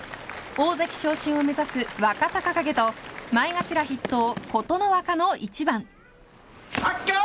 大関昇進を目指す若隆景と前頭筆頭、琴ノ若の一番。